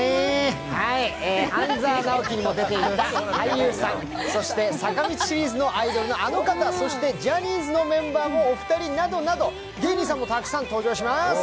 「半沢直樹」にも出ている俳優さん、そして坂道シリーズのアイドルのあの方、そして、ジャニーズのメンバーのお二人などなど、芸人さんもたくさん登場します。